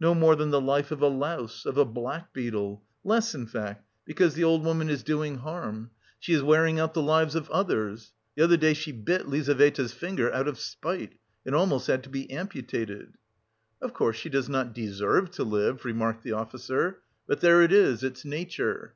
No more than the life of a louse, of a black beetle, less in fact because the old woman is doing harm. She is wearing out the lives of others; the other day she bit Lizaveta's finger out of spite; it almost had to be amputated." "Of course she does not deserve to live," remarked the officer, "but there it is, it's nature."